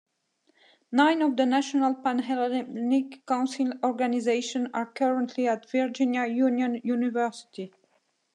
Nine of the National Pan-Hellenic Council organizations are currently at Virginia Union University.